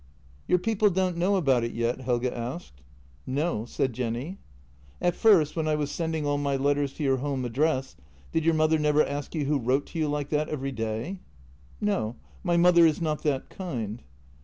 "Your people don't know about it yet?" Helge asked. " No," said Jenny. " At first, when I was sending all my letters to your home address, did your mother never ask who wrote to you like that every day? "" No. My mother is not that kind."